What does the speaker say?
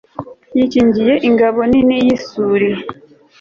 yikingiye ingabo nini y'isuri